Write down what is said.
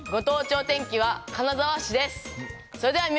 お天気は金沢市です。